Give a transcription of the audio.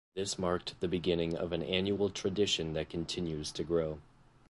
This marked the beginning of an annual tradition that continues to grow.